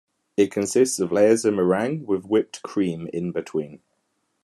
It consists of layers of meringue with whipped cream in between.